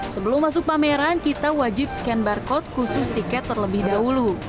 sebelum masuk pameran kita wajib scan barcode khusus tiket terlebih dahulu